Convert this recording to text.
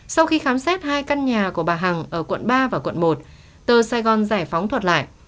sau khi khám xét hai căn nhà của bà hằng ở quận ba và quận một tờ sài gòn giải phóng thuật lại